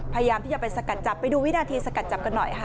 พยายามที่จะไปสกัดจับไปดูวินาทีสกัดจับกันหน่อยค่ะ